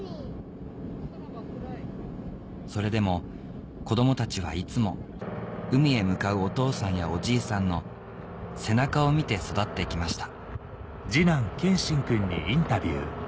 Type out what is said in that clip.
それでも子供たちはいつも海へ向かうお父さんやおじいさんの背中を見て育ってきました